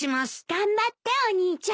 頑張ってお兄ちゃん。